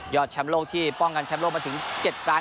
แชมป์โลกที่ป้องกันแชมป์โลกมาถึง๗ครั้ง